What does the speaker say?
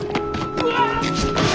うわ！